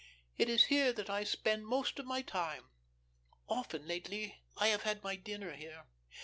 "It is here that I spend most of my time. Often lately I have had my dinner here.